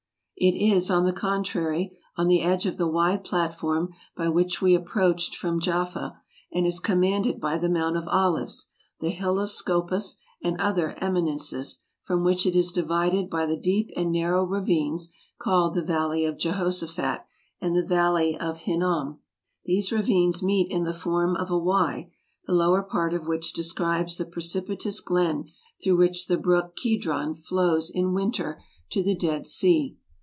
It is, on the contrary, on the edge of the wide platform by which we approached from Jaffa, and is commanded by the Mount of Olives, the Hill of Scopas, and other eminences, from which it is divided by the deep and narrow ravines called the Valley of Jehoshaphat and the Vale of Hinnom. These ravines meet in the form of a Y, the lower part of which describes the precipitous glen through which the brook Kedron flows in winter to the Dead Sea.